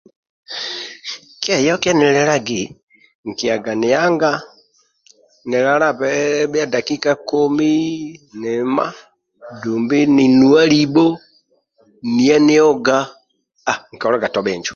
Kyeyoka ninilelagi nkiyaga nihaga nilalabhe bya dhakika komi ni mha dhubhi ni nuwa libho niya nihoga aaa nkikolaga to bhinjo